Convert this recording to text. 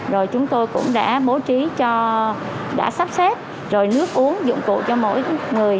rồi chúng tôi cũng đã bố trí cho đã sắp xếp rồi nước uống dụng cụ cho mỗi người